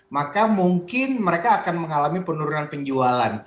maka mungkin mereka akan mengalami penurunan penjualan